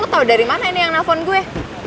tau dari mana ini yang nelfon gue